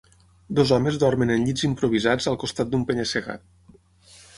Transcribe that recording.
Dos homes dormen en llits improvisats al costat d'un penya-segat.